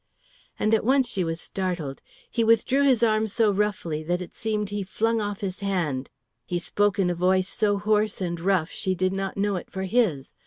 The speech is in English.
And at once she was startled. He withdrew his arm so roughly that it seemed he flung off his hand; he spoke in a voice so hoarse and rough she did not know it for his.